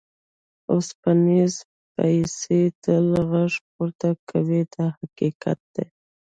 اوسپنیزې پیسې تل غږ پورته کوي دا حقیقت دی.